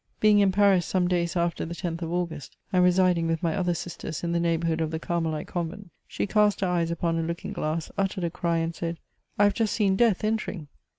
Being in Paris some days after the 10th of August, and residing with my other sisters in the neighbourhood of the Carmelite Convent, she cast her eyes upon a looking glass, uttered a cry and said, " I have just seen death entering.''